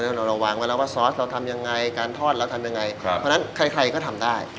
เราระวังไว้แล้วว่าซอสเราทำยังไงการทอดเราทำยังไงเพราะฉะนั้นใครก็ทำได้